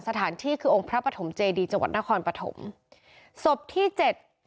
สถานที่คือองค์พระปฐมเจดีจังหวัดนครปฐมศพที่เจ็ด